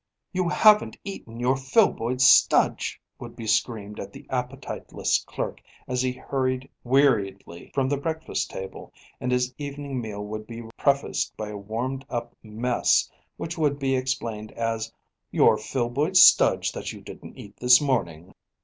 "You haven't eaten your Filboid Studge!" would be screamed at the appetiteless clerk as he hurried weariedly from the breakfast table, and his evening meal would be prefaced by a warmed up mess which would be explained as "your Filboid Studge that you didn't eat this morning."